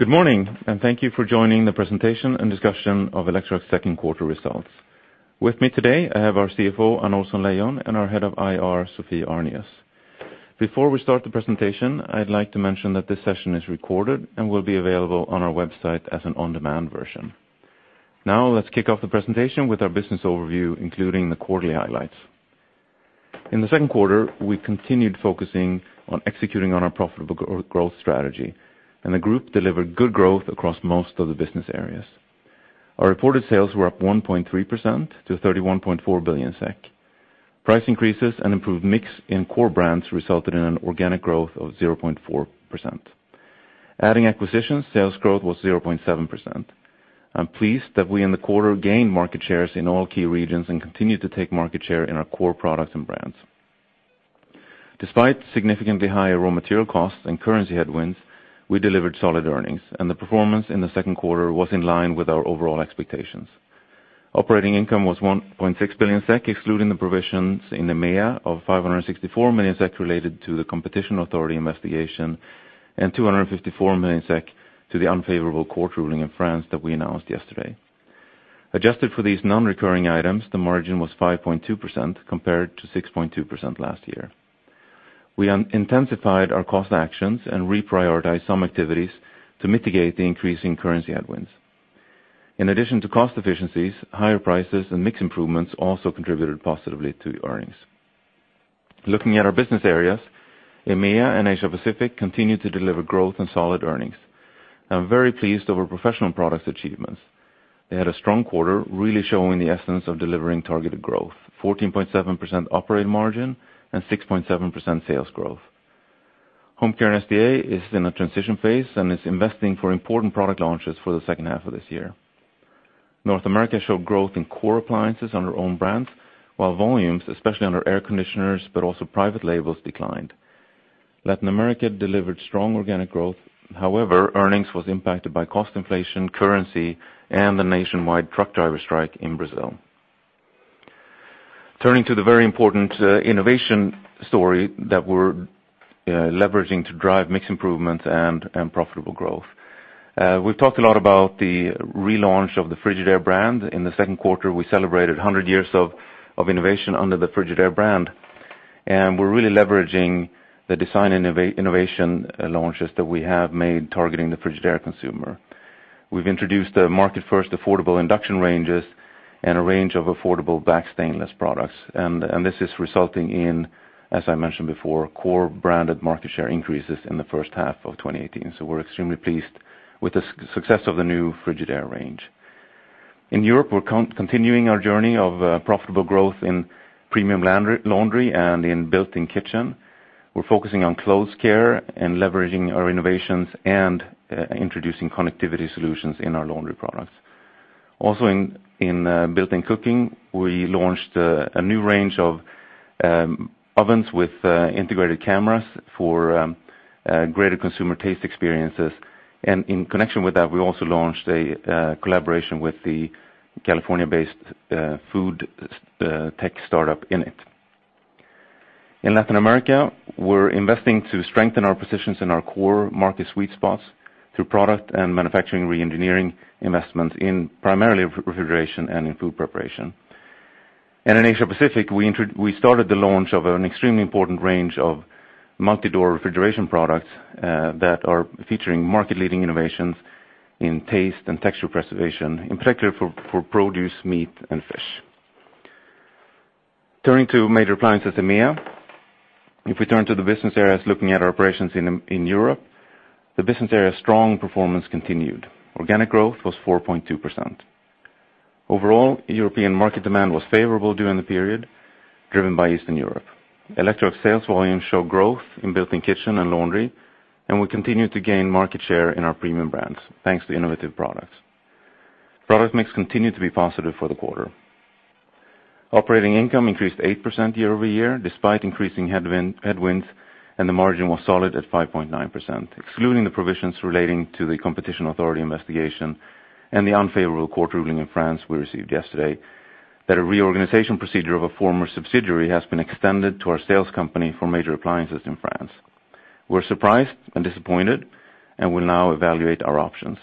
Good morning. Thank you for joining the presentation and discussion of Electrolux second quarter results. With me today, I have our CFO, Anna Ohlsson-Leijon, and our Head of IR, Sophie Arnius. Before we start the presentation, I'd like to mention that this session is recorded and will be available on our website as an on-demand version. Let's kick off the presentation with our business overview, including the quarterly highlights. In the second quarter, we continued focusing on executing on our profitable growth strategy, and the group delivered good growth across most of the business areas. Our reported sales were up 1.3% to 31.4 billion SEK. Price increases and improved mix in core brands resulted in an organic growth of 0.4%. Adding acquisitions, sales growth was 0.7%. I'm pleased that we, in the quarter, gained market shares in all key regions and continued to take market share in our core products and brands. Despite significantly higher raw material costs and currency headwinds, we delivered solid earnings, and the performance in the second quarter was in line with our overall expectations. Operating income was 1.6 billion SEK, excluding the provisions in EMEA of 564 million SEK related to the competition authority investigation and 254 million SEK to the unfavorable court ruling in France that we announced yesterday. Adjusted for these non-recurring items, the margin was 5.2% compared to 6.2% last year. We intensified our cost actions and reprioritized some activities to mitigate the increasing currency headwinds. In addition to cost efficiencies, higher prices and mix improvements also contributed positively to the earnings. Looking at our business areas, EMEA and Asia Pacific continued to deliver growth and solid earnings. I'm very pleased over professional products achievements. They had a strong quarter, really showing the essence of delivering targeted growth, 14.7% operating margin and 6.7% sales growth. Home Care and SDA is in a transition phase and is investing for important product launches for the second half of this year. North America showed growth in core appliances on their own brands, while volumes, especially under air conditioners, but also private labels, declined. Latin America delivered strong organic growth. Earnings was impacted by cost inflation, currency, and the nationwide truck driver strike in Brazil. Turning to the very important innovation story that we're leveraging to drive mix improvements and profitable growth. We've talked a lot about the relaunch of the Frigidaire brand. In the second quarter, we celebrated 100 years of innovation under the Frigidaire brand, and we're really leveraging the design innovation launches that we have made targeting the Frigidaire consumer. We've introduced the market first affordable induction ranges and a range of affordable black stainless products. This is resulting in, as I mentioned before, core branded market share increases in the first half of 2018. We're extremely pleased with the success of the new Frigidaire range. In Europe, we're continuing our journey of profitable growth in premium laundry and in built-in kitchen. We're focusing on clothes care and leveraging our innovations and introducing connectivity solutions in our laundry products. Also in built-in cooking, we launched a new range of ovens with integrated cameras for greater consumer taste experiences. In connection with that, we also launched a collaboration with the California-based food tech startup, Innit. In Latin America, we're investing to strengthen our positions in our core market sweet spots through product and manufacturing re-engineering investment in primarily refrigeration and in food preparation. In Asia Pacific, we started the launch of an extremely important range of multi-door refrigeration products that are featuring market-leading innovations in taste and texture preservation, in particular for produce, meat, and fish. Turning to major appliances EMEA. If we turn to the business areas looking at our operations in Europe, the business area strong performance continued. Organic growth was 4.2%. Overall, European market demand was favorable during the period, driven by Eastern Europe. Electrolux sales volume show growth in built-in kitchen and laundry, and we continue to gain market share in our premium brands, thanks to innovative products. Product mix continued to be positive for the quarter. Operating income increased 8% year-over-year despite increasing headwinds. The margin was solid at 5.9%, excluding the provisions relating to the competition authority investigation and the unfavorable court ruling in France we received yesterday that a reorganization procedure of a former subsidiary has been extended to our sales company for major appliances in France. We're surprised and disappointed and will now evaluate our options.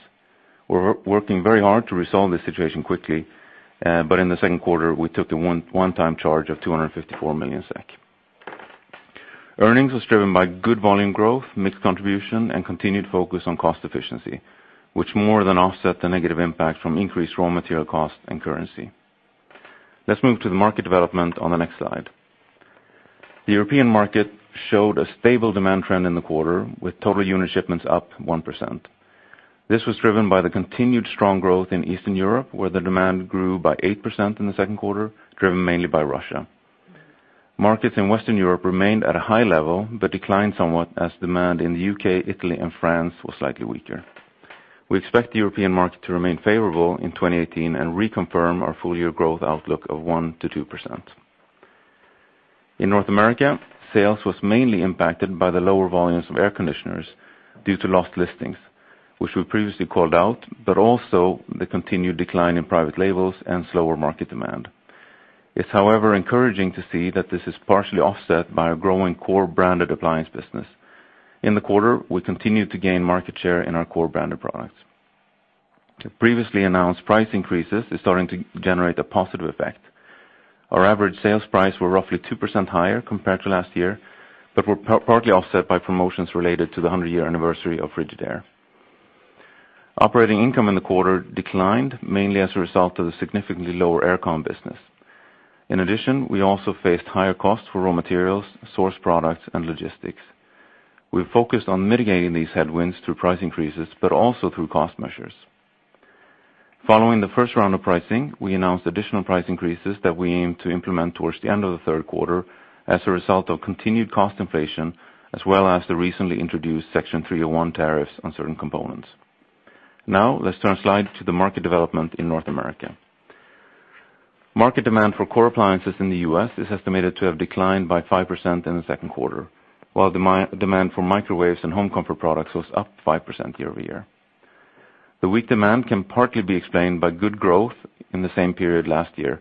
We're working very hard to resolve this situation quickly, but in the second quarter, we took the one-time charge of 254 million SEK. Earnings was driven by good volume growth, mix contribution, and continued focus on cost efficiency, which more than offset the negative impact from increased raw material cost and currency. Let's move to the market development on the next slide. The European market showed a stable demand trend in the quarter with total unit shipments up 1%. This was driven by the continued strong growth in Eastern Europe, where the demand grew by 8% in the second quarter, driven mainly by Russia. Markets in Western Europe remained at a high level, but declined somewhat as demand in the U.K., Italy, and France was slightly weaker. We expect the European market to remain favorable in 2018 and reconfirm our full-year growth outlook of 1%-2%. In North America, sales was mainly impacted by the lower volumes of air conditioners due to lost listings, which we previously called out, but also the continued decline in private labels and slower market demand. It's however encouraging to see that this is partially offset by a growing core branded appliance business. In the quarter, we continued to gain market share in our core branded products. The previously announced price increases is starting to generate a positive effect. Our average sales price were roughly 2% higher compared to last year, but were partly offset by promotions related to the 100-year anniversary of Frigidaire. Operating income in the quarter declined mainly as a result of the significantly lower air con business. In addition, we also faced higher costs for raw materials, sourced products, and logistics. We're focused on mitigating these headwinds through price increases, but also through cost measures. Following the first round of pricing, we announced additional price increases that we aim to implement towards the end of the third quarter as a result of continued cost inflation, as well as the recently introduced Section 301 tariffs on certain components. Let's turn a slide to the market development in North America. Market demand for core appliances in the U.S. is estimated to have declined by 5% in the second quarter, while demand for microwaves and home comfort products was up 5% year-over-year. The weak demand can partly be explained by good growth in the same period last year.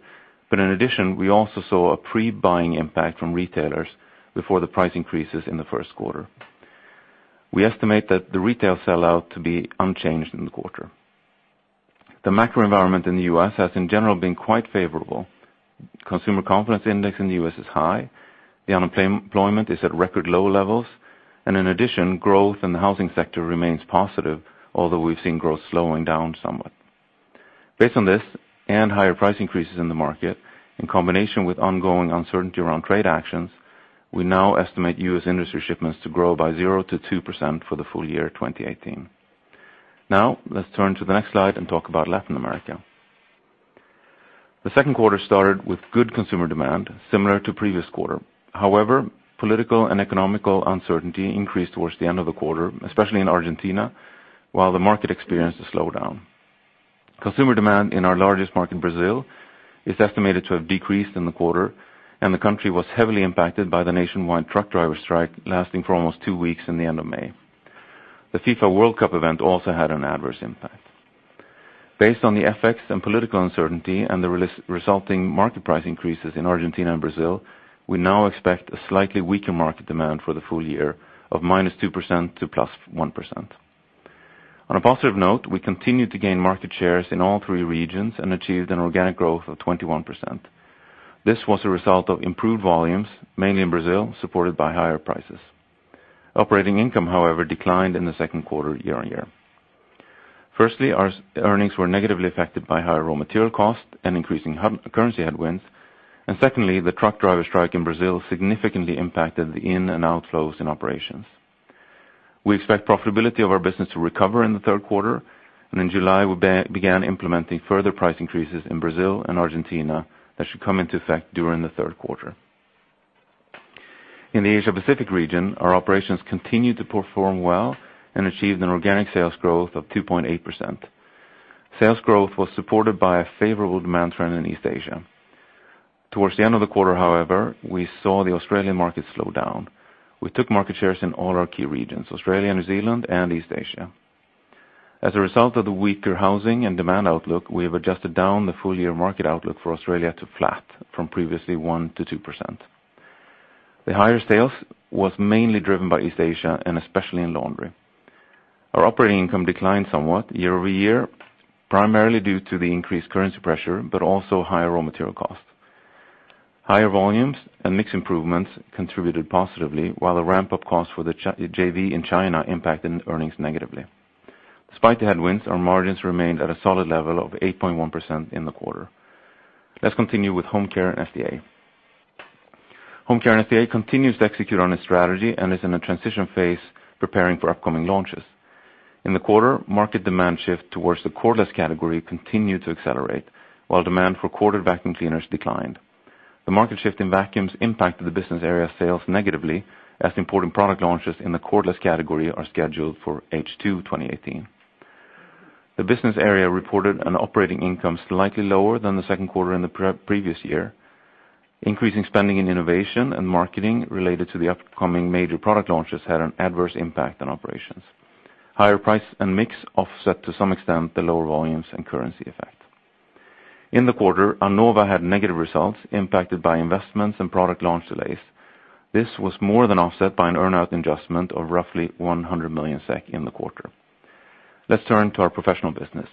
In addition, we also saw a pre-buying impact from retailers before the price increases in the first quarter. We estimate that the retail sell-out to be unchanged in the quarter. The macro environment in the U.S. has in general been quite favorable. Consumer confidence index in the U.S. is high. The unemployment is at record low levels. In addition, growth in the housing sector remains positive, although we've seen growth slowing down somewhat. Based on this and higher price increases in the market, in combination with ongoing uncertainty around trade actions, we now estimate U.S. industry shipments to grow by 0%-2% for the full year 2018. Now, let's turn to the next slide and talk about Latin America. The second quarter started with good consumer demand, similar to previous quarter. However, political and economical uncertainty increased towards the end of the quarter, especially in Argentina, while the market experienced a slowdown. Consumer demand in our largest market, Brazil, is estimated to have decreased in the quarter, and the country was heavily impacted by the nationwide truck driver strike, lasting for almost two weeks in the end of May. The FIFA World Cup event also had an adverse impact. Based on the effects and political uncertainty and the resulting market price increases in Argentina and Brazil, we now expect a slightly weaker market demand for the full year of -2% to +1%. On a positive note, we continued to gain market shares in all three regions and achieved an organic growth of 21%. This was a result of improved volumes, mainly in Brazil, supported by higher prices. Operating income, however, declined in the second quarter year-on-year. Firstly, our earnings were negatively affected by higher raw material costs and increasing currency headwinds. Secondly, the truck driver strike in Brazil significantly impacted the in and outflows in operations. We expect profitability of our business to recover in the third quarter, and in July, we began implementing further price increases in Brazil and Argentina that should come into effect during the third quarter. In the Asia-Pacific region, our operations continued to perform well and achieved an organic sales growth of 2.8%. Sales growth was supported by a favorable demand trend in East Asia. Towards the end of the quarter, however, we saw the Australian market slow down. We took market shares in all our key regions, Australia, New Zealand, and East Asia. As a result of the weaker housing and demand outlook, we have adjusted down the full-year market outlook for Australia to flat from previously 1%-2%. The higher sales was mainly driven by East Asia, and especially in laundry. Our operating income declined somewhat year-over-year, primarily due to the increased currency pressure, but also higher raw material cost. Higher volumes and mix improvements contributed positively while the ramp-up cost for the JV in China impacted earnings negatively. Despite the headwinds, our margins remained at a solid level of 8.1% in the quarter. Let's continue with Home Care & SDA. Home Care & SDA continues to execute on its strategy and is in a transition phase preparing for upcoming launches. In the quarter, market demand shift towards the cordless category continued to accelerate, while demand for corded vacuum cleaners declined. The market shift in vacuums impacted the business area sales negatively, as important product launches in the cordless category are scheduled for H2 2018. The business area reported an operating income slightly lower than the second quarter in the previous year. Increasing spending in innovation and marketing related to the upcoming major product launches had an adverse impact on operations. Higher price and mix offset to some extent the lower volumes and currency effect. In the quarter, Anova had negative results impacted by investments and product launch delays. This was more than offset by an earn-out adjustment of roughly 100 million SEK in the quarter. Let's turn to our professional business.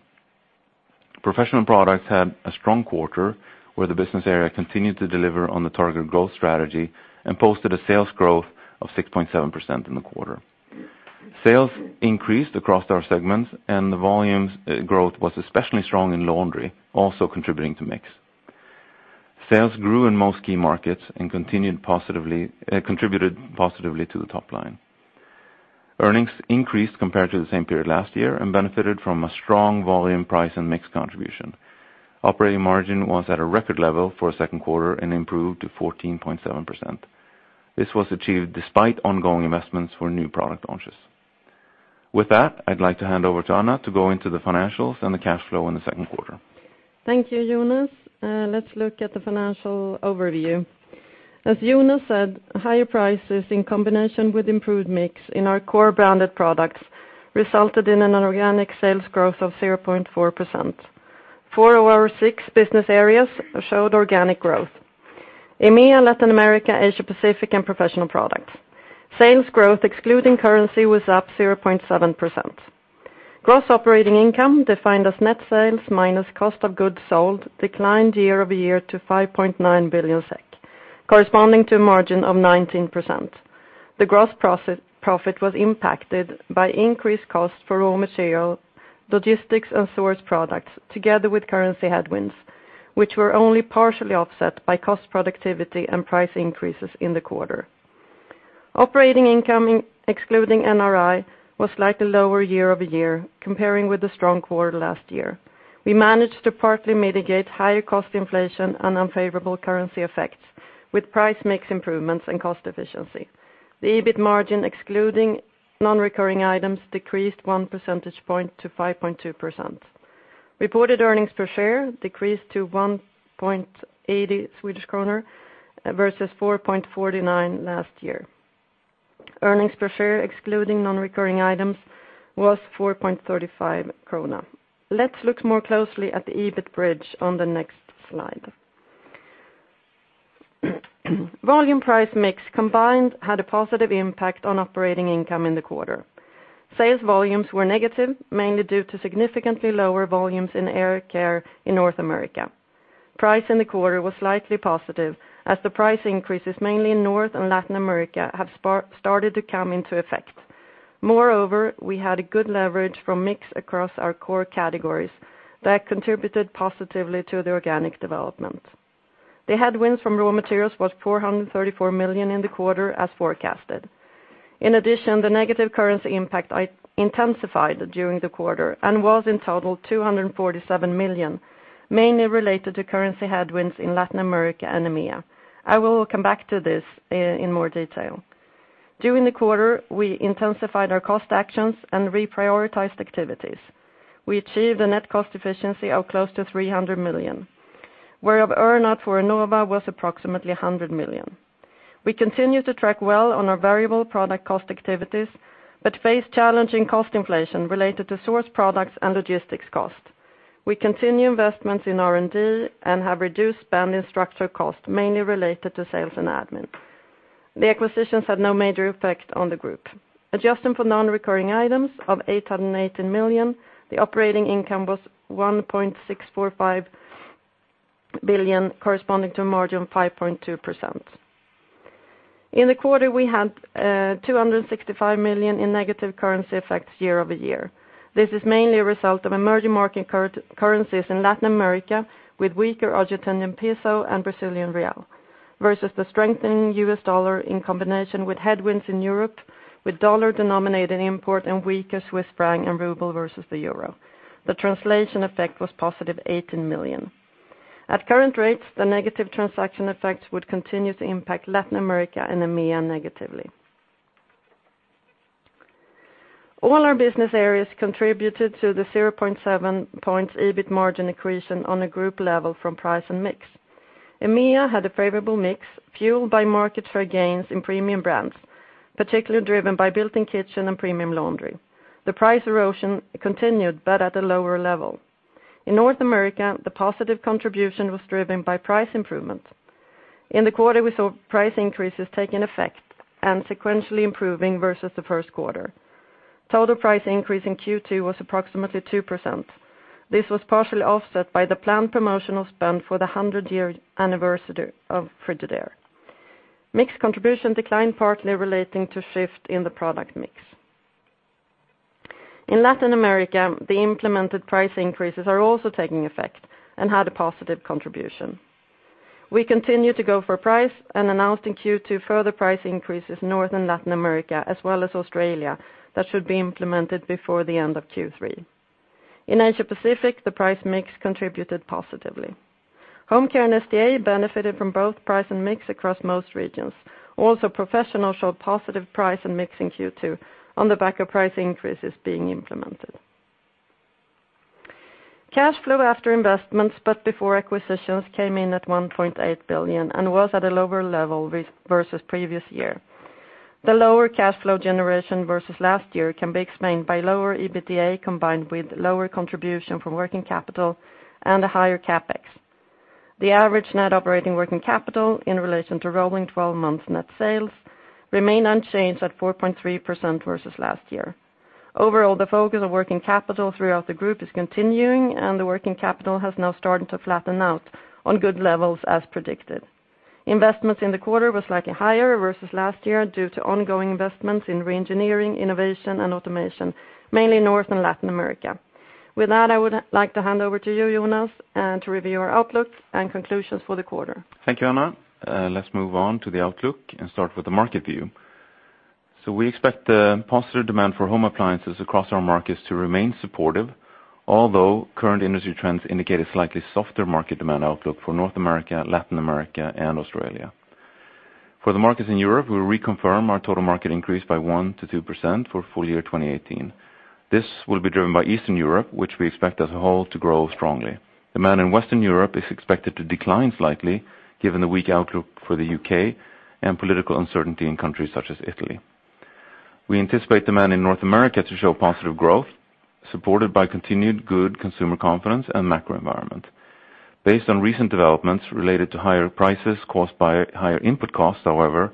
Professional products had a strong quarter where the business area continued to deliver on the targeted growth strategy and posted a sales growth of 6.7% in the quarter. Sales increased across our segments, and the volumes growth was especially strong in laundry, also contributing to mix. Sales grew in most key markets and contributed positively to the top line. Earnings increased compared to the same period last year and benefited from a strong volume, price, and mix contribution. Operating margin was at a record level for a second quarter and improved to 14.7%. This was achieved despite ongoing investments for new product launches. With that, I'd like to hand over to Anna to go into the financials and the cash flow in the second quarter. Thank you, Jonas. Let's look at the financial overview. As Jonas said, higher prices in combination with improved mix in our core branded products resulted in an organic sales growth of 0.4%. Four of our six business areas showed organic growth. EMEA, Latin America, Asia Pacific, and professional products. Sales growth, excluding currency, was up 0.7%. Gross operating income, defined as net sales minus cost of goods sold, declined year-over-year to 5.9 billion SEK, corresponding to a margin of 19%. The gross profit was impacted by increased cost for raw material, logistics, and sourced products, together with currency headwinds, which were only partially offset by cost productivity and price increases in the quarter. Operating income, excluding NRI, was slightly lower year-over-year, comparing with the strong quarter last year. We managed to partly mitigate higher cost inflation and unfavorable currency effects with price mix improvements and cost efficiency. The EBIT margin, excluding non-recurring items, decreased one percentage point to 5.2%. Reported earnings per share decreased to 1.80 Swedish kronor versus 4.49 SEK last year. Earnings per share, excluding non-recurring items, was 4.35 krona. Let's look more closely at the EBIT bridge on the next slide. Volume price mix combined had a positive impact on operating income in the quarter. Sales volumes were negative, mainly due to significantly lower volumes in air care in North America. Price in the quarter was slightly positive as the price increases, mainly in North and Latin America, have started to come into effect. Moreover, we had a good leverage from mix across our core categories that contributed positively to the organic development. The headwinds from raw materials was 434 million SEK in the quarter as forecasted. In addition, the negative currency impact intensified during the quarter and was in total 247 million, mainly related to currency headwinds in Latin America and EMEA. I will come back to this in more detail. During the quarter, we intensified our cost actions and reprioritized activities. We achieved a net cost efficiency of close to 300 million, whereof earnout for Anova was approximately 100 million. We continue to track well on our variable product cost activities, but face challenging cost inflation related to sourced products and logistics costs. We continue investments in R&D and have reduced spend in structural costs, mainly related to sales and admin. The acquisitions had no major effect on the group. Adjusted for non-recurring items of 818 million, the operating income was 1.645 billion, corresponding to a margin of 5.2%. In the quarter, we had 265 million in negative currency effects year-over-year. This is mainly a result of emerging market currencies in Latin America with weaker Argentinian peso and Brazilian real versus the strengthening U.S. dollar in combination with headwinds in Europe with U.S. dollar-denominated import and weaker Swiss franc and ruble versus the euro. The translation effect was positive 18 million. At current rates, the negative transaction effects would continue to impact Latin America and EMEA negatively. All our business areas contributed to the 0.7 points EBIT margin accretion on a group level from price and mix. EMEA had a favorable mix fueled by market share gains in premium brands, particularly driven by built-in kitchen and premium laundry. The price erosion continued, but at a lower level. In North America, the positive contribution was driven by price improvement. In the quarter, we saw price increases taking effect and sequentially improving versus the first quarter. Total price increase in Q2 was approximately 2%. This was partially offset by the planned promotional spend for the 100-year anniversary of Frigidaire. Mix contribution declined partly relating to shift in the product mix. In Latin America, the implemented price increases are also taking effect and had a positive contribution. We continue to go for price and announced in Q2 further price increases North and Latin America, as well as Australia, that should be implemented before the end of Q3. In Asia Pacific, the price mix contributed positively. Home Care & SDA benefited from both price and mix across most regions. Also professional showed positive price and mix in Q2 on the back of price increases being implemented. Cash flow after investments, but before acquisitions came in at 1.8 billion and was at a lower level versus previous year. The lower cash flow generation versus last year can be explained by lower EBITDA combined with lower contribution from working capital and a higher CapEx. The average net operating working capital in relation to rolling 12 months net sales remained unchanged at 4.3% versus last year. Overall, the focus of working capital throughout the group is continuing, and the working capital has now started to flatten out on good levels as predicted. Investments in the quarter was slightly higher versus last year due to ongoing investments in re-engineering, innovation, and automation, mainly North and Latin America. With that, I would like to hand over to you, Jonas, and to review our outlook and conclusions for the quarter. Thank you, Anna. Let's move on to the outlook and start with the market view. We expect the positive demand for home appliances across our markets to remain supportive, although current industry trends indicate a slightly softer market demand outlook for North America, Latin America, and Australia. For the markets in Europe, we reconfirm our total market increase by 1% to 2% for full year 2018. This will be driven by Eastern Europe, which we expect as a whole to grow strongly. Demand in Western Europe is expected to decline slightly given the weak outlook for the U.K. and political uncertainty in countries such as Italy. We anticipate demand in North America to show positive growth, supported by continued good consumer confidence and macro environment. Based on recent developments related to higher prices caused by higher input costs, however,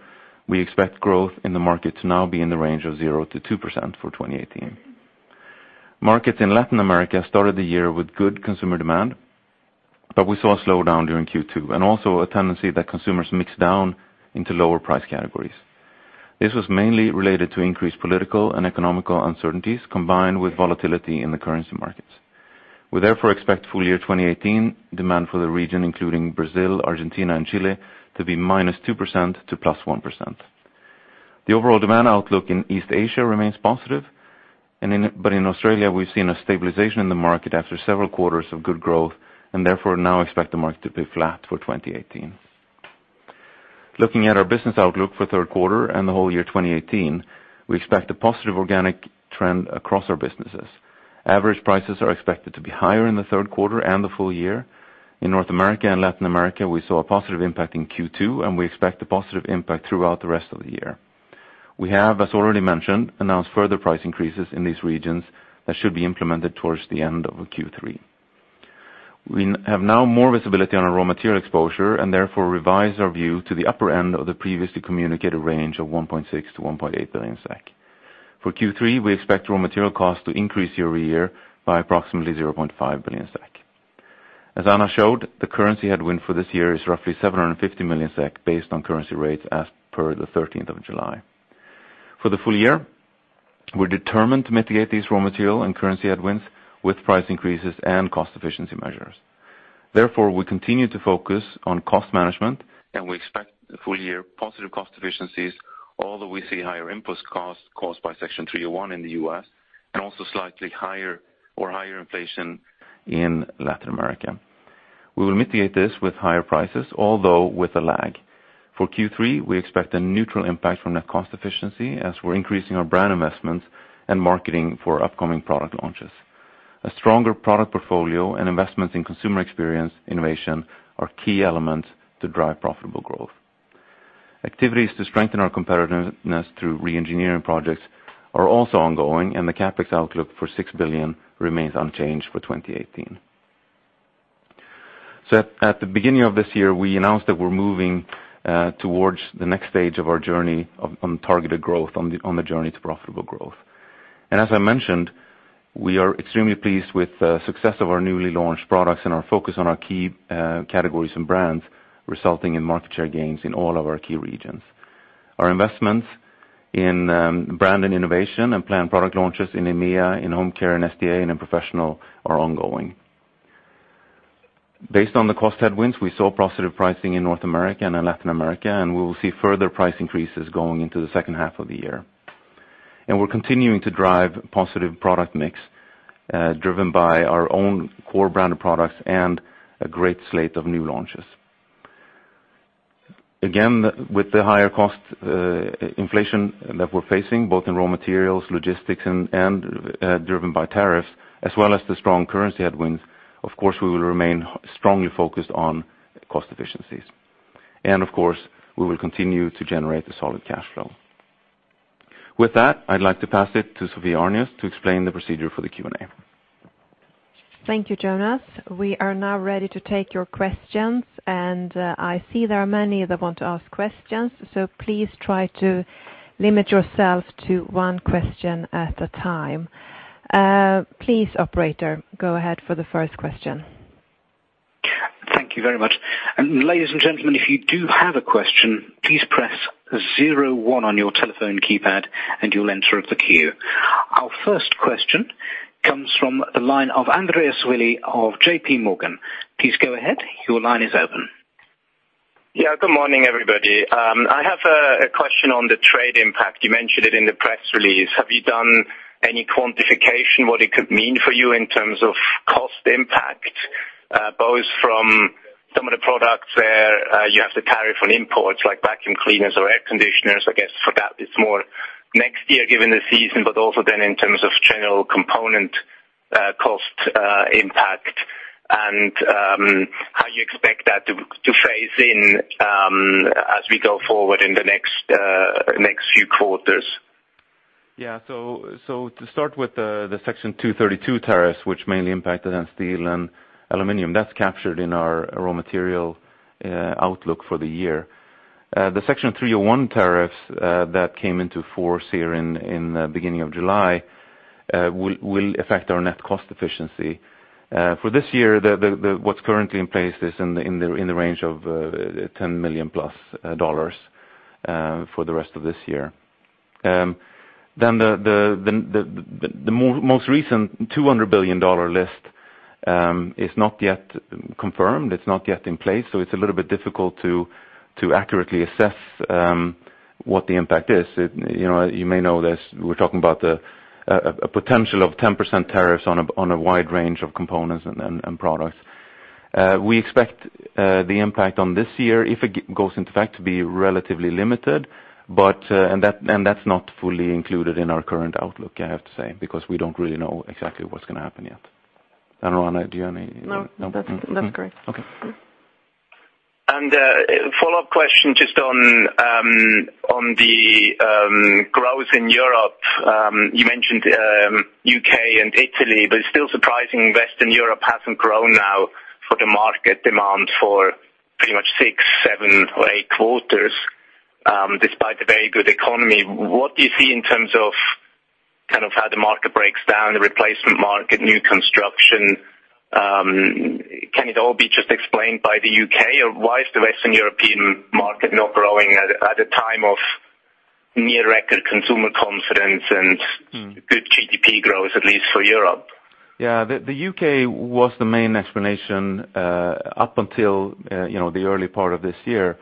we expect growth in the market to now be in the range of 0% to 2% for 2018. Markets in Latin America started the year with good consumer demand, but we saw a slowdown during Q2 and also a tendency that consumers mixed down into lower price categories. This was mainly related to increased political and economic uncertainties, combined with volatility in the currency markets. We therefore expect full year 2018 demand for the region, including Brazil, Argentina, and Chile, to be -2% to +1%. The overall demand outlook in East Asia remains positive. In Australia, we've seen a stabilization in the market after several quarters of good growth and therefore now expect the market to be flat for 2018. Looking at our business outlook for third quarter and the whole year 2018, we expect a positive organic trend across our businesses. Average prices are expected to be higher in the third quarter and the full year. In North America and Latin America, we saw a positive impact in Q2, and we expect a positive impact throughout the rest of the year. We have, as already mentioned, announced further price increases in these regions that should be implemented towards the end of Q3. We have now more visibility on our raw material exposure and therefore revise our view to the upper end of the previously communicated range of 1.6 billion-1.8 billion SEK. For Q3, we expect raw material cost to increase year-over-year by approximately 0.5 billion SEK. As Anna showed, the currency headwind for this year is roughly 750 million SEK based on currency rates as per the 13th of July. For the full year, we're determined to mitigate these raw material and currency headwinds with price increases and cost efficiency measures. We continue to focus on cost management, and we expect full year positive cost efficiencies, although we see higher input costs caused by Section 301 in the U.S. and also slightly higher or higher inflation in Latin America. We will mitigate this with higher prices, although with a lag. For Q3, we expect a neutral impact from net cost efficiency as we're increasing our brand investments and marketing for upcoming product launches. A stronger product portfolio and investments in consumer experience innovation are key elements to drive profitable growth. Activities to strengthen our competitiveness through re-engineering projects are also ongoing, the CapEx outlook for 6 billion remains unchanged for 2018. At the beginning of this year, we announced that we're moving towards the next stage of our journey on targeted growth on the journey to profitable growth. As I mentioned, we are extremely pleased with the success of our newly launched products and our focus on our key categories and brands, resulting in market share gains in all of our key regions. Our investments in brand and innovation and planned product launches in EMEA, in Home Care & SDA, and in Professional are ongoing. Based on the cost headwinds, we saw positive pricing in North America and in Latin America, and we will see further price increases going into the second half of the year. We're continuing to drive positive product mix, driven by our own core brand of products and a great slate of new launches. Again, with the higher cost inflation that we're facing, both in raw materials, logistics, and driven by tariffs, as well as the strong currency headwinds, of course, we will remain strongly focused on cost efficiencies. Of course, we will continue to generate a solid cash flow. With that, I'd like to pass it to Sophie Arnius to explain the procedure for the Q&A. Thank you, Jonas. We are now ready to take your questions. I see there are many that want to ask questions, please try to limit yourself to one question at a time. Please, operator, go ahead for the first question. Thank you very much. Ladies and gentlemen, if you do have a question, please press 01 on your telephone keypad, and you'll enter the queue. Our first question comes from the line of Andreas Willi of JP Morgan. Please go ahead. Your line is open. Good morning, everybody. I have a question on the trade impact. You mentioned it in the press release. Have you done any quantification, what it could mean for you in terms of cost impact? Both from some of the products where you have the tariff on imports, like vacuum cleaners or air conditioners. I guess for that, it's more next year given the season, also then in terms of general component cost impact and how you expect that to phase in as we go forward in the next few quarters. To start with the Section 232 tariffs, which mainly impacted on steel and aluminum, that's captured in our raw material outlook for the year. The Section 301 tariffs that came into force here in the beginning of July will affect our net cost efficiency. For this year, what's currently in place is in the range of $10 million plus for the rest of this year. The most recent $200 billion list is not yet confirmed. It's not yet in place, it's a little bit difficult to accurately assess what the impact is. You may know this, we're talking about a potential of 10% tariffs on a wide range of components and products. We expect the impact on this year, if it goes into effect, to be relatively limited, that's not fully included in our current outlook, I have to say, because we don't really know exactly what's going to happen yet. I don't know, do you have any? No. No? That's correct. Okay. A follow-up question just on the growth in Europe. You mentioned U.K. and Italy, but it's still surprising Western Europe hasn't grown now for the market demand for pretty much six, seven, or eight quarters, despite the very good economy. What do you see in terms of how the market breaks down, the replacement market, new construction? Can it all be just explained by the U.K.? Or why is the Western European market not growing at a time of near record consumer confidence and good GDP growth, at least for Europe? The U.K. was the main explanation up until the early part of this year.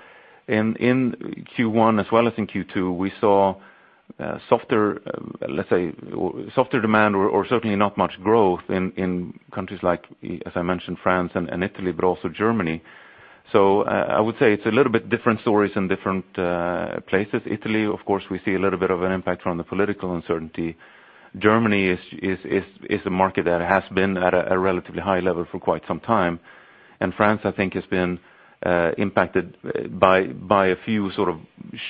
In Q1 as well as in Q2, we saw, let's say, softer demand or certainly not much growth in countries like, as I mentioned, France and Italy, but also Germany. I would say it's a little bit different stories in different places. Italy, of course, we see a little bit of an impact from the political uncertainty. Germany is a market that has been at a relatively high level for quite some time. France, I think, has been impacted by a few sort of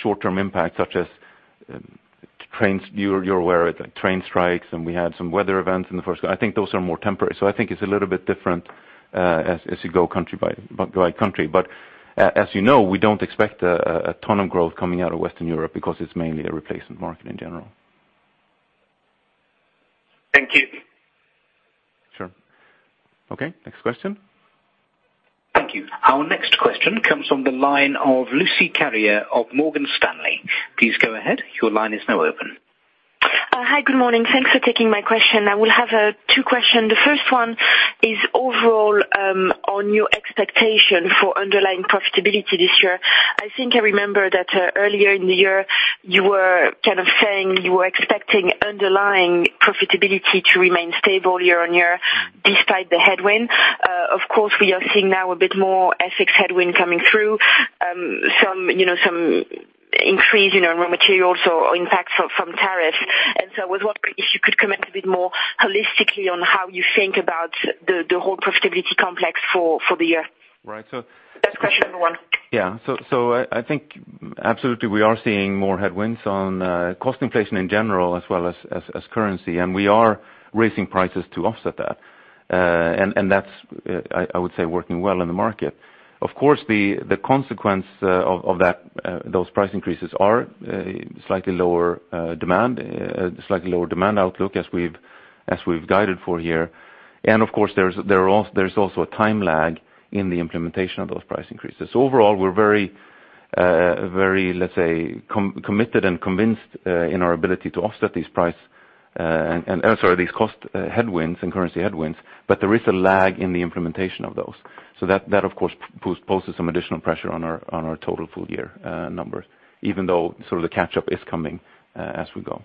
short-term impacts such as, you're aware, train strikes, and we had some weather events. I think those are more temporary. I think it's a little bit different as you go country by country. As you know, we don't expect a ton of growth coming out of Western Europe because it's mainly a replacement market in general. Thank you. Sure. Okay, next question. Thank you. Our next question comes from the line of Lucie Carrier of Morgan Stanley. Please go ahead. Your line is now open. Hi. Good morning. Thanks for taking my question. I will have two question. The first one is overall on your expectation for underlying profitability this year. I think I remember that earlier in the year, you were kind of saying you were expecting underlying profitability to remain stable year-on-year despite the headwind. Of course, we are seeing now a bit more FX headwind coming through, some increase in raw materials or impact from tariffs. I was wondering if you could comment a bit more holistically on how you think about the whole profitability complex for the year. Right. That's question number one. Yeah. I think absolutely we are seeing more headwinds on cost inflation in general as well as currency, and we are raising prices to offset that. That's, I would say, working well in the market. Of course, the consequence of those price increases are slightly lower demand outlook as we've guided for here. Of course, there's also a time lag in the implementation of those price increases. Overall, we're very, let's say, committed and convinced in our ability to offset these cost headwinds and currency headwinds, there is a lag in the implementation of those. That, of course, poses some additional pressure on our total full-year numbers, even though the catch-up is coming as we go.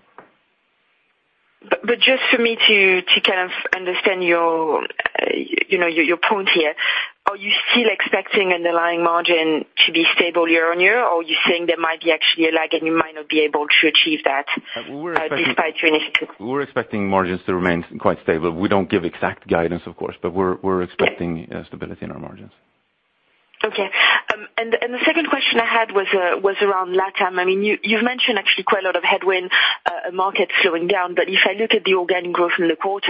Just for me to kind of understand your point here, are you still expecting underlying margin to be stable year-over-year? Are you saying there might be actually a lag and you might not be able to achieve that despite your initiatives? We're expecting margins to remain quite stable. We don't give exact guidance, of course, we're expecting stability in our margins. Okay. The second question I had was around Latam. You've mentioned actually quite a lot of headwind markets slowing down, but if I look at the organic growth in Q2,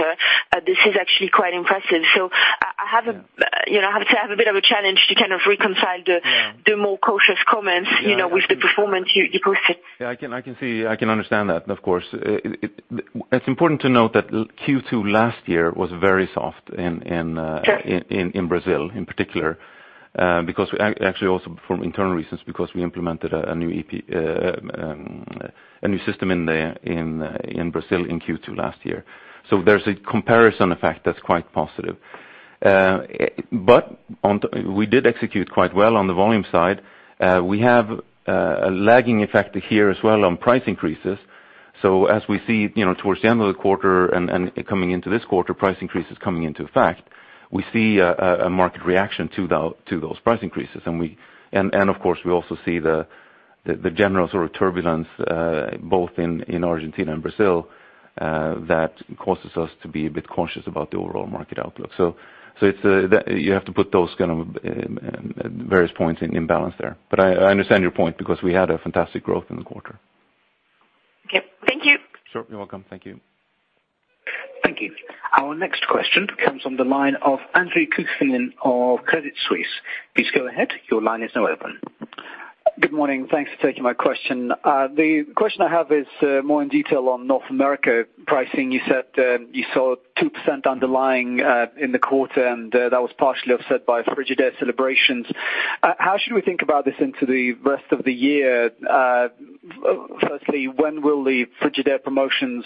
this is actually quite impressive. I have to have a bit of a challenge to kind of reconcile the more cautious comments with the performance you posted. Yeah, I can understand that, of course. It's important to note that Q2 last year was very soft. Sure Brazil in particular, actually also for internal reasons, because we implemented a new system in Brazil in Q2 last year. There's a comparison effect that's quite positive. We did execute quite well on the volume side. We have a lagging effect here as well on price increases. As we see towards the end of the quarter and coming into this quarter, price increases coming into effect, we see a market reaction to those price increases. Of course, we also see the general sort of turbulence both in Argentina and Brazil that causes us to be a bit cautious about the overall market outlook. You have to put those various points in balance there. I understand your point because we had a fantastic growth in the quarter. Okay. Thank you. Sure. You're welcome. Thank you. Thank you. Our next question comes on the line of Andre Kukhnin of Credit Suisse. Please go ahead. Your line is now open. Good morning. Thanks for taking my question. The question I have is more in detail on North America pricing. You said you saw 2% underlying in the quarter. That was partially offset by Frigidaire celebrations. How should we think about this into the rest of the year? Firstly, when will the Frigidaire promotions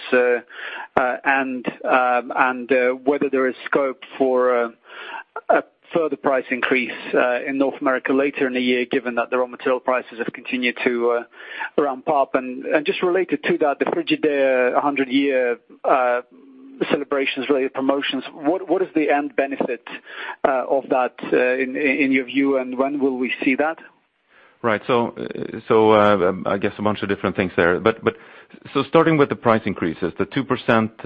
end, and whether there is scope for a further price increase in North America later in the year, given that the raw material prices have continued to ramp up? Just related to that, the Frigidaire 100-year celebrations related promotions, what is the end benefit of that in your view, and when will we see that? Right. I guess a bunch of different things there. Starting with the price increases, the 2%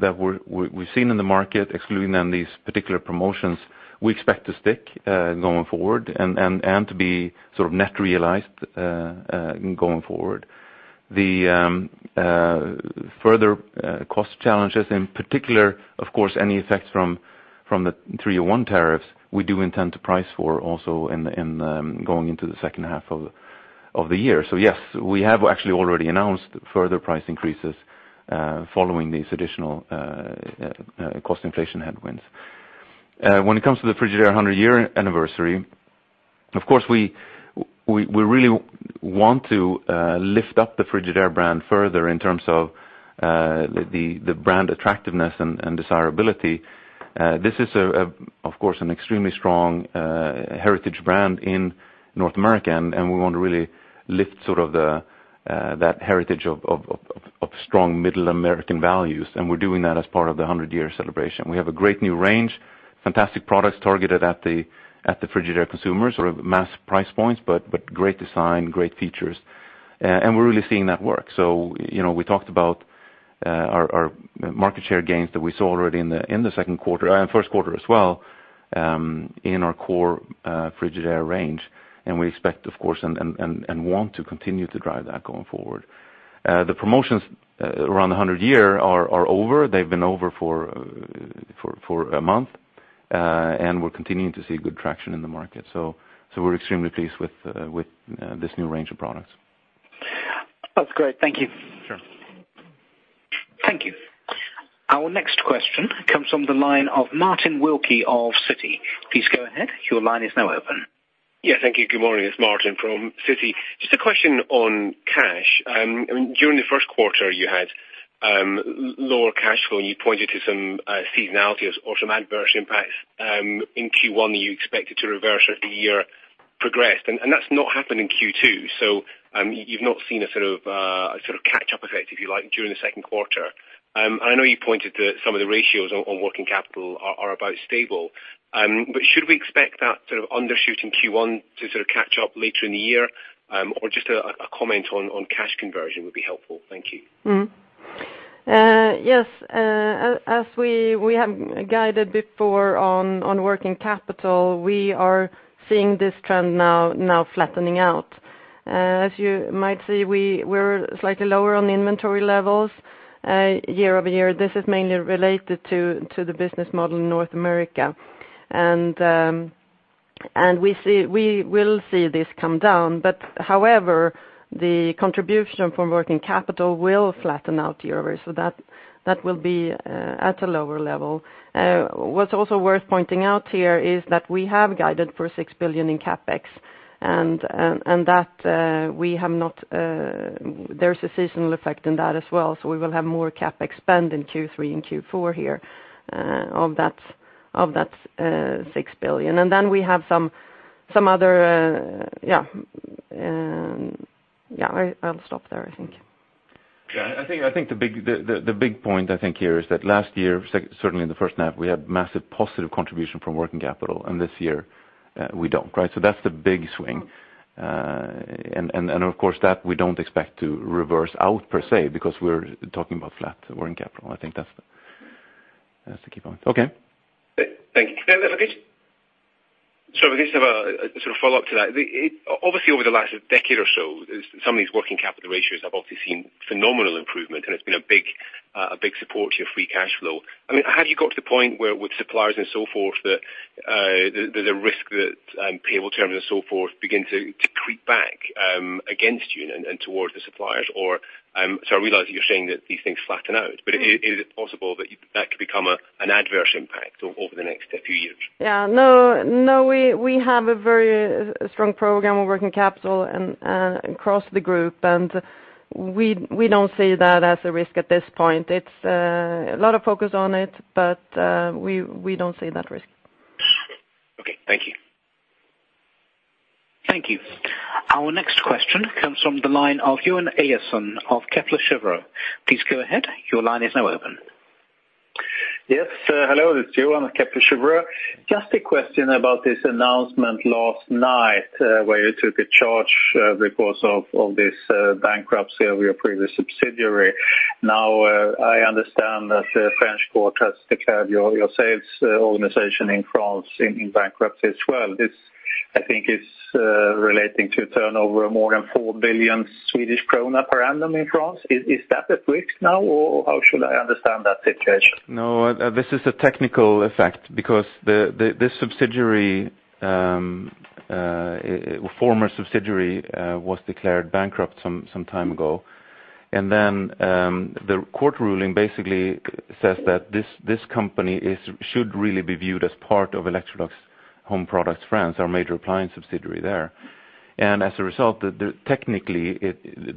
that we've seen in the market, excluding then these particular promotions, we expect to stick going forward and to be net realized going forward. The further cost challenges in particular, of course, any effects from the Section 301 tariffs, we do intend to price for also going into the second half of the year. Yes, we have actually already announced further price increases following these additional cost inflation headwinds. When it comes to the Frigidaire 100-year anniversary, of course, we really want to lift up the Frigidaire brand further in terms of the brand attractiveness and desirability. This is, of course, an extremely strong heritage brand in North America, and we want to really lift that heritage of strong Middle American values, and we're doing that as part of the 100-year celebration. We have a great new range, fantastic products targeted at the Frigidaire consumers. Mass price points, but great design, great features. We're really seeing that work. We talked about our market share gains that we saw already in the second quarter, and first quarter as well, in our core Frigidaire range. We expect, of course, and want to continue to drive that going forward. The promotions around the 100 year are over. They've been over for a month. We're continuing to see good traction in the market. We're extremely pleased with this new range of products. That's great. Thank you. Sure. Thank you. Our next question comes from the line of Martin Wilkie of Citi. Please go ahead. Your line is now open. Thank you. Good morning. It's Martin from Citi. Just a question on cash. During the first quarter, you had lower cash flow, and you pointed to some seasonality or some adverse impacts in Q1 you expected to reverse as the year progressed, and that's not happened in Q2, so you've not seen a catch-up effect, if you like, during the second quarter. I know you pointed to some of the ratios on working capital are about stable. Should we expect that undershooting Q1 to catch up later in the year? Just a comment on cash conversion would be helpful. Thank you. Yes. As we have guided before on working capital, we are seeing this trend now flattening out. As you might see, we're slightly lower on the inventory levels year-over-year. This is mainly related to the business model in North America. We will see this come down, but however, the contribution from working capital will flatten out year-over-year. That will be at a lower level. What's also worth pointing out here is that we have guided for 6 billion in CapEx, and there's a seasonal effect in that as well. We will have more CapEx spend in Q3 and Q4 here of that SEK 6 billion. Yeah. I'll stop there, I think. Yeah, the big point I think here is that last year, certainly in the first half, we had massive positive contribution from working capital, and this year we don't. That's the big swing. Of course, that we don't expect to reverse out per se, because we're talking about flat working capital. I think that's the key point. Okay. Thank you. If I could just have a follow-up to that. Obviously, over the last decade or so, some of these working capital ratios have obviously seen phenomenal improvement, and it's been a big support to your free cash flow. Have you got to the point where with suppliers and so forth, the risk that payable terms and so forth begin to creep back against you and towards the suppliers? I realize you're saying that these things flatten out. Is it possible that could become an adverse impact over the next few years? Yeah. No, we have a very strong program on working capital across the group, and we don't see that as a risk at this point. It's a lot of focus on it, but we don't see that risk. Okay. Thank you. Thank you. Our next question comes from the line of Johan Eliason of Kepler Cheuvreux. Please go ahead. Your line is now open. Yes. Hello, this is Johan of Kepler Cheuvreux. Just a question about this announcement last night, where you took a charge because of this bankruptcy of your previous subsidiary. Now, I understand that the French court has declared your sales organization in France in bankruptcy as well. This, I think it's relating to turnover more than 4 billion Swedish krona per annum in France. Is that at risk now, or how should I understand that situation? No. This is a technical effect because this former subsidiary was declared bankrupt some time ago. The court ruling basically says that this company should really be viewed as part of Electrolux France SAS, our major appliance subsidiary there. As a result, technically,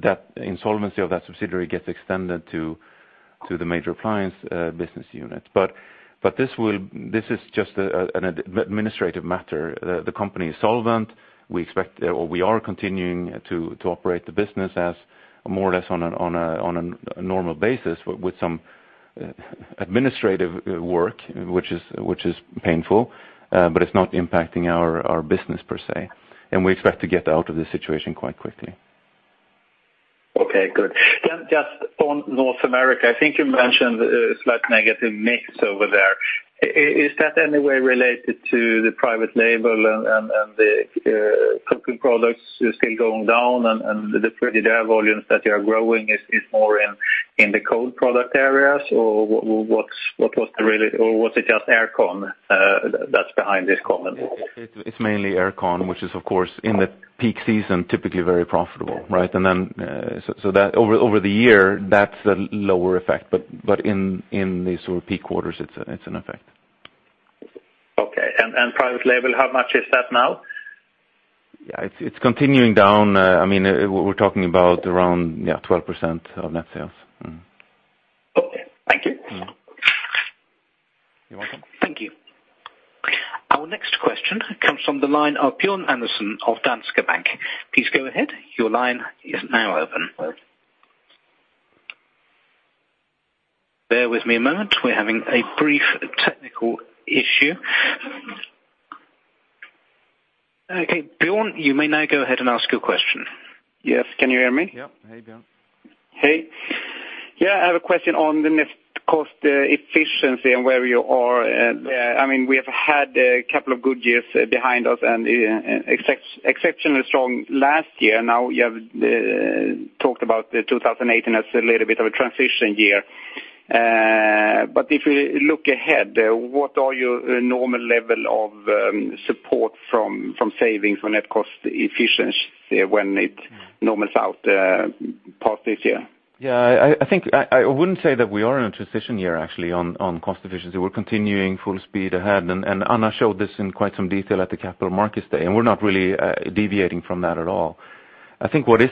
that insolvency of that subsidiary gets extended to the major appliance business unit. This is just an administrative matter. The company is solvent. We are continuing to operate the business as more or less on a normal basis with some administrative work, which is painful, but it is not impacting our business per se, and we expect to get out of this situation quite quickly. Okay, good. Just on North America, I think you mentioned a slight negative mix over there. Is that any way related to the private label and the cooking products still going down and the volumes that you are growing is more in the cold product areas, or was it just air con that is behind this comment? It is mainly air con, which is of course in the peak season, typically very profitable. Right? That over the year, that is a lower effect. In these sort of peak quarters, it is an effect. Okay. Private label, how much is that now? Yeah. It's continuing down. We're talking about around, yeah, 12% of net sales. Okay. Thank you. You're welcome. Thank you. Our next question comes from the line of Björn Enarson of Danske Bank. Please go ahead. Your line is now open. Bear with me a moment. We're having a brief technical issue. Okay, Björn, you may now go ahead and ask your question. Yes. Can you hear me? Yep. Hey, Björn. Hey. Yeah, I have a question on the net cost efficiency and where you are. We have had a couple of good years behind us and exceptionally strong last year. Now you have talked about 2018 as a little bit of a transition year. If you look ahead, what are your normal level of support from savings on net cost efficiency when it normals out past this year? Yeah, I wouldn't say that we are in a transition year actually on cost efficiency. We're continuing full speed ahead, Anna showed this in quite some detail at the Capital Markets Day, and we're not really deviating from that at all. I think what is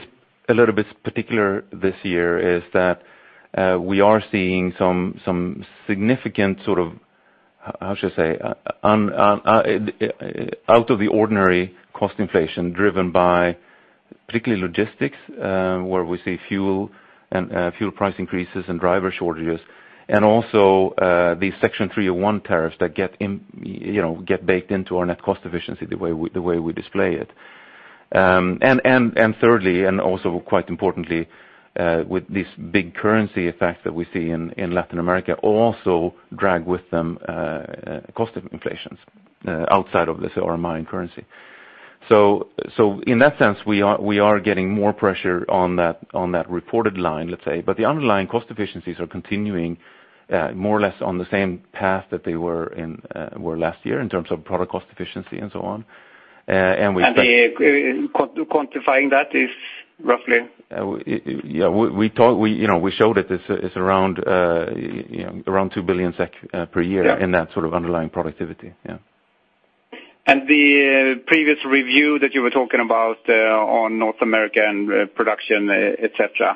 a little bit particular this year is that we are seeing some significant sort of, how should I say, out of the ordinary cost inflation driven by particularly logistics, where we see fuel price increases and driver shortages. Also, the Section 301 tariffs that get baked into our net cost efficiency the way we display it. Thirdly, and also quite importantly, with this big currency effect that we see in Latin America, also drag with them cost of inflations outside of the CRM currency. In that sense, we are getting more pressure on that reported line, let's say. The underlying cost efficiencies are continuing more or less on the same path that they were last year in terms of product cost efficiency and so on. Quantifying that is roughly? We showed it is around 2 billion SEK per year. Yeah in that sort of underlying productivity. Yeah. The previous review that you were talking about on North American production, et cetera,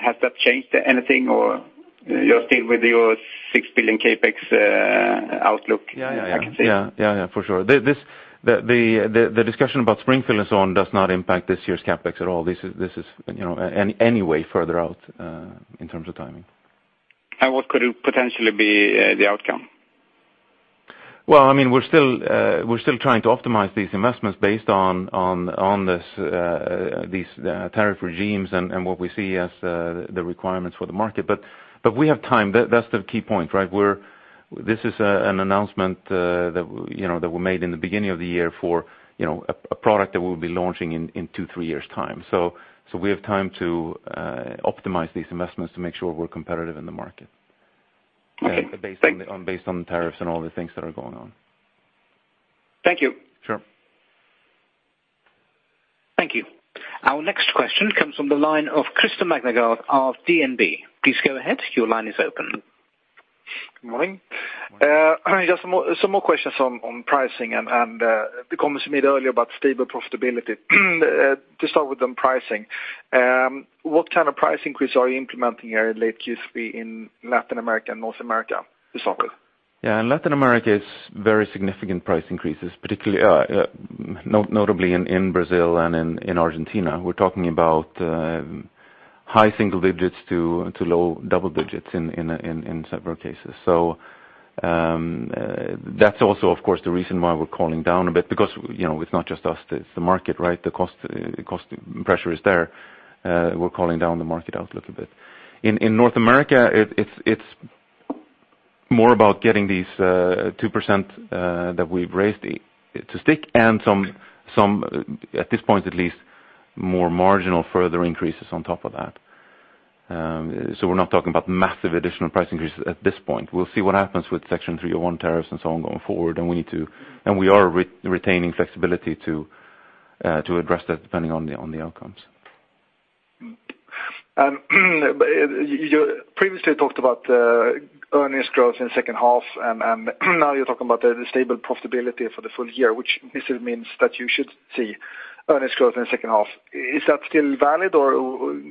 has that changed anything or you're still with your 6 billion CapEx outlook? Yeah. For sure. The discussion about Springfield and so on does not impact this year's CapEx at all. This is anyway further out in terms of timing. What could potentially be the outcome? Well, we're still trying to optimize these investments based on these tariff regimes and what we see as the requirements for the market. We have time. That's the key point, right? This is an announcement that were made in the beginning of the year for a product that we'll be launching in two, three years' time. We have time to optimize these investments to make sure we're competitive in the market. Okay. Thank you. Based on tariffs and all the things that are going on. Thank you. Sure. Thank you. Our next question comes from the line of Christer Magnergård of DNB. Please go ahead. Your line is open. Good morning. Just some more questions on pricing and the comments you made earlier about stable profitability. To start with on pricing, what kind of price increase are you implementing here in late Q3 in Latin America and North America to start with? In Latin America, it's very significant price increases, particularly notably in Brazil and in Argentina. We're talking about high single digits to low double digits in several cases. That's also, of course, the reason why we're calling down a bit because it's not just us, it's the market, right? The cost pressure is there. We're calling down the market outlook a bit. In North America, it's more about getting these 2% that we've raised to stick and some, at this point at least, more marginal further increases on top of that. We're not talking about massive additional price increases at this point. We'll see what happens with Section 301 tariffs and so on going forward. We are retaining flexibility to address that depending on the outcomes. You previously talked about earnings growth in the second half, now you're talking about the stable profitability for the full year, which basically means that you should see earnings growth in the second half. Is that still valid,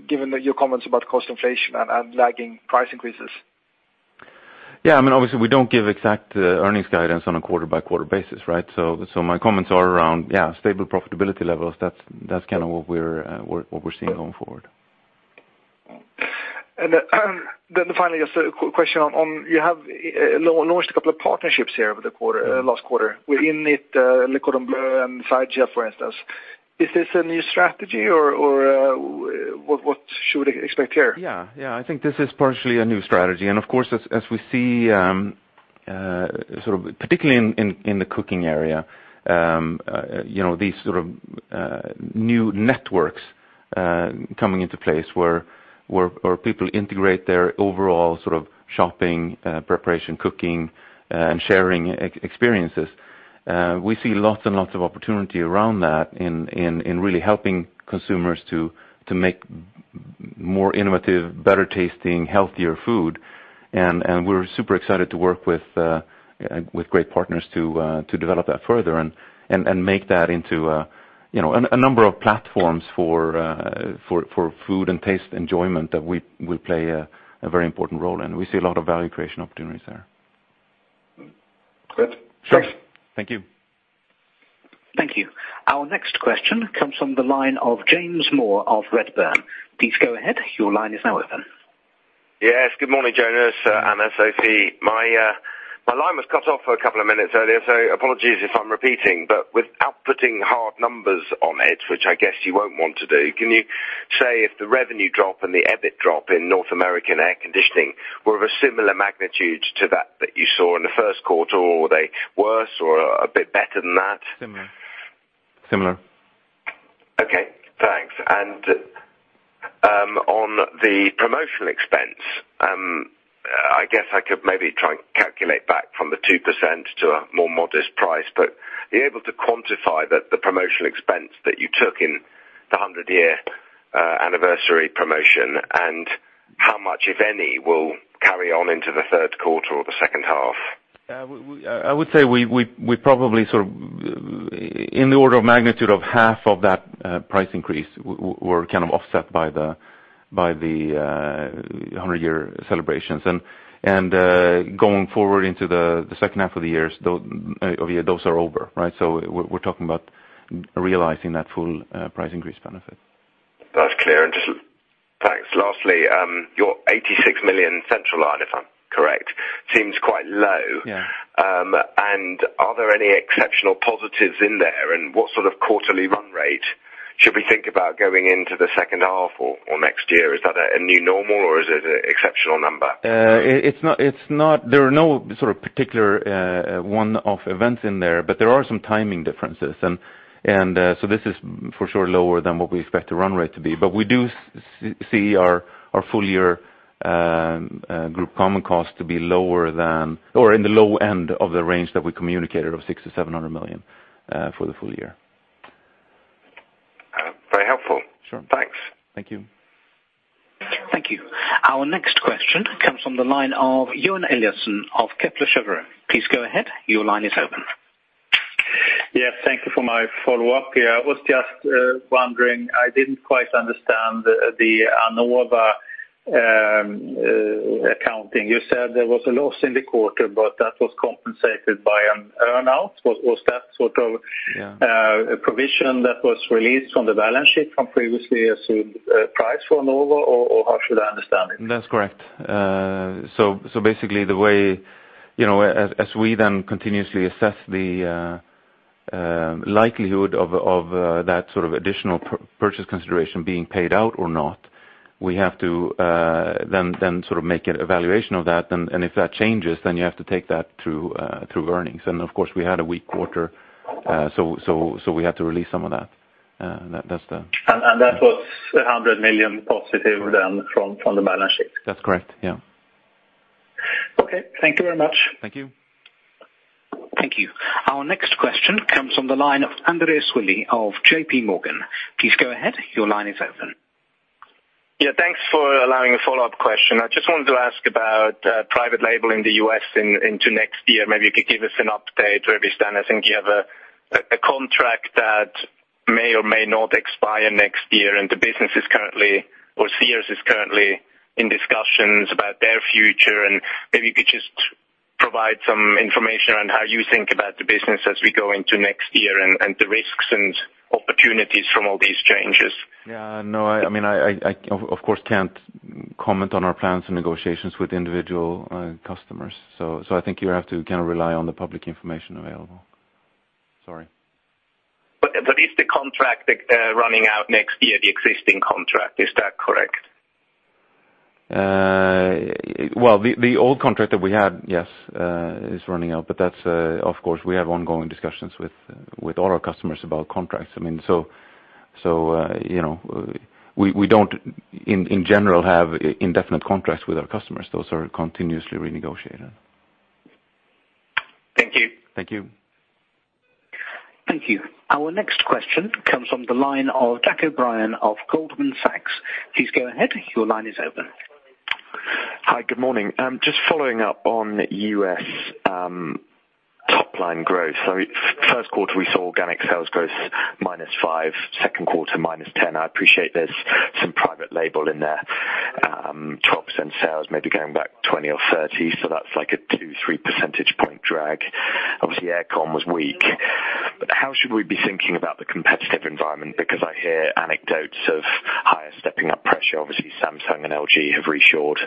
given your comments about cost inflation and lagging price increases? Obviously, we don't give exact earnings guidance on a quarter-by-quarter basis. My comments are around stable profitability levels. That's what we're seeing going forward. Finally, just a quick question on, you have launched a couple of partnerships here over the last quarter with Innit, and SideChef, for instance. Is this a new strategy or what should we expect here? Yeah. I think this is partially a new strategy. Of course, as we see, particularly in the cooking area, these new networks coming into place where people integrate their overall shopping, preparation, cooking, and sharing experiences. We see lots and lots of opportunity around that in really helping consumers to make more innovative, better-tasting, healthier food. We're super excited to work with great partners to develop that further and make that into a number of platforms for food and taste enjoyment that we play a very important role in. We see a lot of value creation opportunities there. Great. Sure. Thank you. Thank you. Our next question comes from the line of James Moore of Redburn. Please go ahead. Your line is now open. Yes. Good morning, Jonas, Anna, Sophie. My line was cut off for a couple of minutes earlier, so apologies if I'm repeating. Without putting hard numbers on it, which I guess you won't want to do, can you say if the revenue drop and the EBIT drop in North American air conditioning were of a similar magnitude to that that you saw in the first quarter, or were they worse or a bit better than that? Similar. Okay. Thanks. On the promotional expense, I guess I could maybe try and calculate back from the 2% to a more modest price, but are you able to quantify the promotional expense that you took in the 100-year anniversary promotion, and how much, if any, will carry on into the third quarter or the second half? I would say we probably, in the order of magnitude of half of that price increase, were kind of offset by the 100-year celebrations. Going forward into the second half of the year, those are over. We're talking about realizing that full price increase benefit. That's clear. Thanks. Lastly, your 86 million central line, if I'm correct, seems quite low. Yeah. Are there any exceptional positives in there? What sort of quarterly run rate should we think about going into the second half or next year? Is that a new normal or is it an exceptional number? There are no particular one-off events in there, but there are some timing differences. This is for sure lower than what we expect the run rate to be, but we do see our full-year group common cost to be lower than, or in the low end of the range that we communicated of 600 million to 700 million for the full year. Very helpful. Sure. Thanks. Thank you. Thank you. Our next question comes from the line of Johan Eliason of Kepler Cheuvreux. Please go ahead. Your line is open. Yes. Thank you for my follow-up here. I was just wondering, I didn't quite understand the Anova accounting. You said there was a loss in the quarter, but that was compensated by an earn-out. Was that sort of Yeah provision that was released from the balance sheet from previously assumed price for Anova, or how should I understand it? That's correct. Basically, as we then continuously assess the likelihood of that additional purchase consideration being paid out or not, we have to then make an evaluation of that. If that changes, then you have to take that through earnings. Of course, we had a weak quarter, we had to release some of that. That's the That was 100 million positive then from the balance sheet? That's correct. Yeah. Okay. Thank you very much. Thank you. Thank you. Our next question comes from the line of Andreas Willi of JP Morgan. Please go ahead. Your line is open. Yeah. Thanks for allowing a follow-up question. I just wanted to ask about private label in the U.S. into next year. Maybe you could give us an update where we stand. I think you have a contract that may or may not expire next year, and the business is currently, or Sears is currently in discussions about their future. Maybe you could just provide some information on how you think about the business as we go into next year and the risks and opportunities from all these changes. Yeah. No, I of course, can't comment on our plans and negotiations with individual customers. I think you have to rely on the public information available. Sorry. Is the contract running out next year, the existing contract, is that correct? Well, the old contract that we had, yes, is running out, that's, of course, we have ongoing discussions with all our customers about contracts. We don't in general have indefinite contracts with our customers. Those are continuously renegotiated. Thank you. Thank you. Thank you. Our next question comes from the line of Jack O'Brien of Goldman Sachs. Please go ahead. Your line is open. Hi. Good morning. Just following up on U.S. Top-line growth. First quarter, we saw organic sales growth -5%, second quarter, -10%. I appreciate there's some private label in there. Top percent sales maybe going back 20% or 30%. That's like a two, three percentage point drag. Obviously, air con was weak. How should we be thinking about the competitive environment? I hear anecdotes of higher stepping up pressure. Obviously, Samsung and LG have reshored.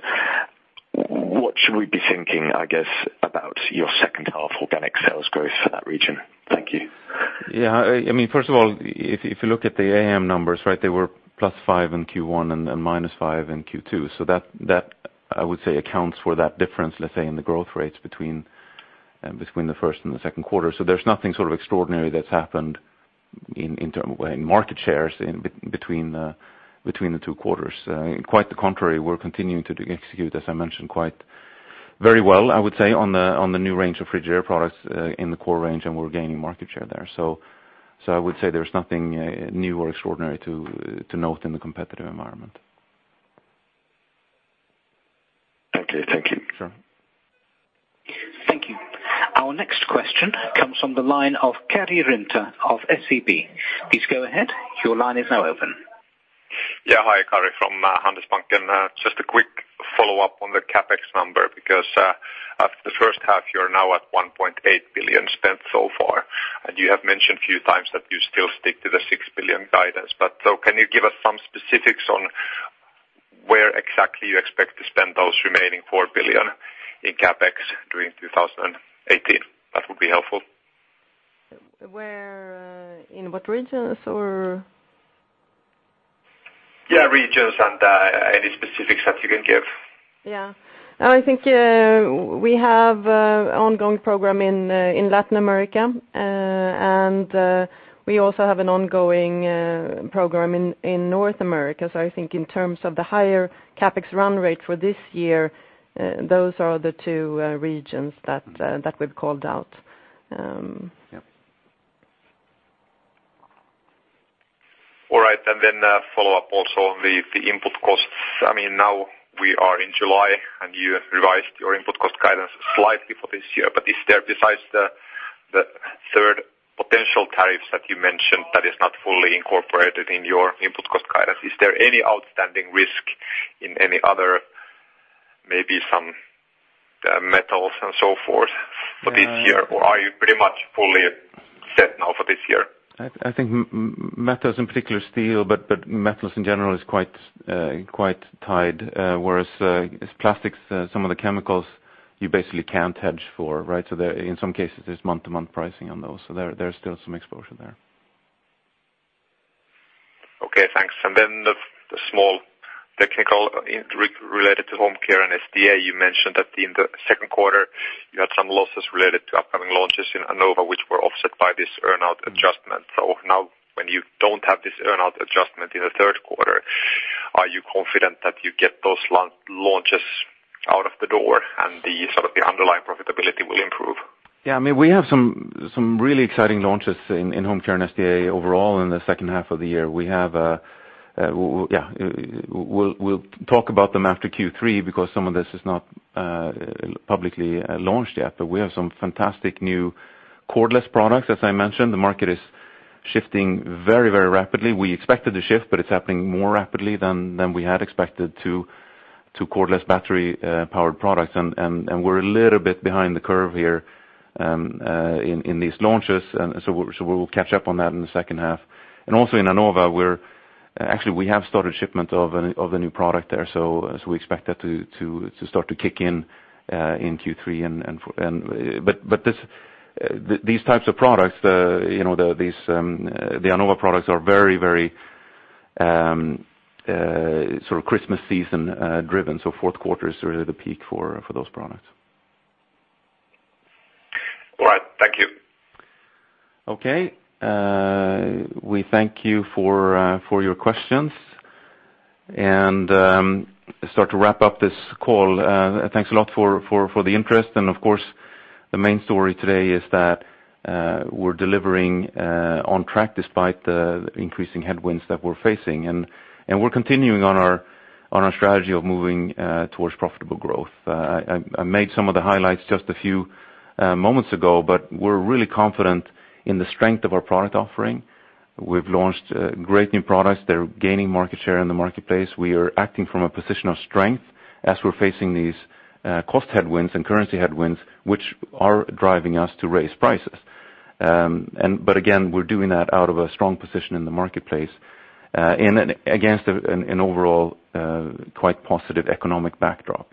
What should we be thinking, I guess, about your second half organic sales growth for that region? Thank you. Yeah. First of all, if you look at the AHAM numbers, they were +5% in Q1 and then -5% in Q2. That, I would say, accounts for that difference, let's say, in the growth rates between the first and the second quarter. There's nothing extraordinary that's happened in market shares between the two quarters. Quite the contrary, we're continuing to execute, as I mentioned, very well, I would say, on the new range of Frigidaire products in the core range, and we're gaining market share there. I would say there's nothing new or extraordinary to note in the competitive environment. Okay. Thank you. Sure. Thank you. Our next question comes from the line of Kari Rinta of SEB. Please go ahead. Your line is now open. Karri from Handelsbanken. Just a quick follow-up on the CapEx number, because after the first half, you are now at 1.8 billion spent so far. You have mentioned a few times that you still stick to the 6 billion guidance. Can you give us some specifics on where exactly you expect to spend those remaining 4 billion in CapEx during 2018? That would be helpful. Where? In what regions or? Yeah, regions and any specifics that you can give. Yeah. I think we have ongoing program in Latin America. We also have an ongoing program in North America. I think in terms of the higher CapEx run rate for this year, those are the two regions that we've called out. Yeah. A follow-up also on the input costs. Now we are in July, and you revised your input cost guidance slightly for this year. Besides the third potential tariffs that you mentioned that is not fully incorporated in your input cost guidance, is there any outstanding risk in any other, maybe some metals and so forth for this year? Are you pretty much fully set now for this year? I think metals in particular steel, but metals in general is quite tied. Whereas, plastics, some of the chemicals you basically can't hedge for. In some cases, there's month-to-month pricing on those, so there's still some exposure there. Okay, thanks. The small technical related to Home Care & SDA, you mentioned that in the second quarter you had some losses related to upcoming launches in Anova, which were offset by this earn-out adjustment. Now when you don't have this earn-out adjustment in the third quarter, are you confident that you get those launches out of the door and the underlying profitability will improve? Yeah. We have some really exciting launches in Home Care & SDA overall in the second half of the year. We'll talk about them after Q3 because some of this is not publicly launched yet. We have some fantastic new cordless products. As I mentioned, the market is shifting very rapidly. We expected to shift, but it's happening more rapidly than we had expected to cordless battery-powered products. We're a little bit behind the curve here in these launches. We will catch up on that in the second half. Also in Anova, actually we have started shipment of a new product there. We expect that to start to kick in Q3. These types of products, the Anova products are very Christmas season driven, so fourth quarter is really the peak for those products. All right. Thank you. Okay. We thank you for your questions and start to wrap up this call. Thanks a lot for the interest, and of course, the main story today is that we're delivering on track despite the increasing headwinds that we're facing. We're continuing on our strategy of moving towards profitable growth. I made some of the highlights just a few moments ago, but we're really confident in the strength of our product offering. We've launched great new products. They're gaining market share in the marketplace. We are acting from a position of strength as we're facing these cost headwinds and currency headwinds, which are driving us to raise prices. Again, we're doing that out of a strong position in the marketplace, and against an overall quite positive economic backdrop.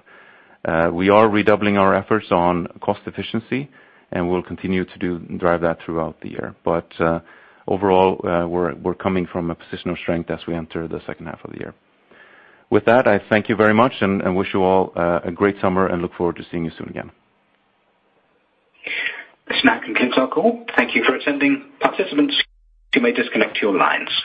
We are redoubling our efforts on cost efficiency, and we'll continue to drive that throughout the year. Overall, we're coming from a position of strength as we enter the second half of the year. With that, I thank you very much and wish you all a great summer and look forward to seeing you soon again. This now concludes our call. Thank you for attending. Participants, you may disconnect your lines.